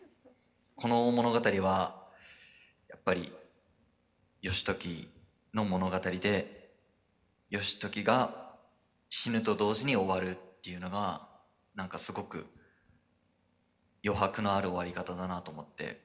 この物語はやっぱり義時の物語で義時が死ぬと同時に終わるっていうのが何かすごく余白のある終わり方だなと思って。